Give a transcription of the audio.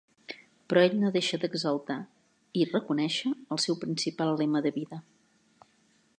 Però ell no deixa d'exaltar i reconèixer el seu principal lema de vida.